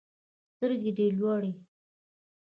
سترګي دي لوړی